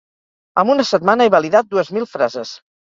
Amb una setmana he validat dues mil frases